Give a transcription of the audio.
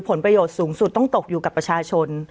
ผลประโยชน์สูงสุดต้องตกอยู่กับประชาชน